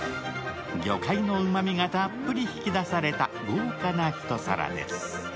魚介のうまみがたっぷり引き出された豪華な一皿です。